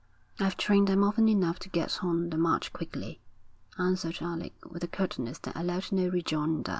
'I've trained them often enough to get on the march quickly,' answered Alec, with a curtness that allowed no rejoinder.